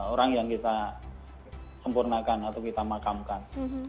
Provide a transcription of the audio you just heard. orang yang kita sempurnakan atau kita makamkan